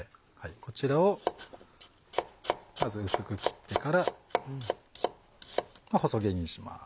こちらをまず薄く切ってから細切りにします